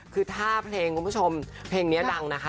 คือถ้าเพลงคุณผู้ชมเพลงนี้ดังนะคะ